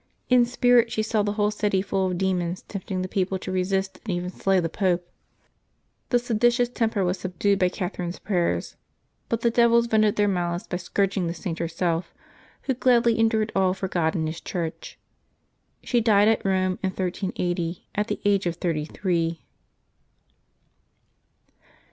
In spirit she saw the whole city full of demons tempting the people to resist and even slay the Pope. The seditious temper was subdued by Catherine's prayers; but the devils vented their malice by scourging the Saint herself, who gladly endured all for God and His Church. She died at Rome, in 1380, at the age of thirty three.